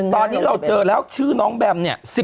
ตอนนี้เราเจอแล้วชื่อน้องแบมเนี่ย